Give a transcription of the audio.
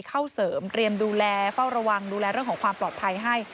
เข้าเสริมเตรียมดูแลเฝ้าระวังดูแลเรื่องของความปลอดภัยให้